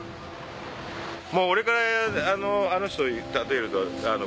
俺からあの人を例えると。